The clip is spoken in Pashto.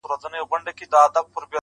یو د بل به یې سرونه غوڅوله٫